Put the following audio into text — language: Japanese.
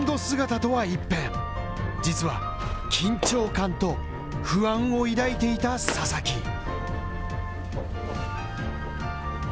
姿とは一変、実は緊張感と不安を抱いていた佐々木。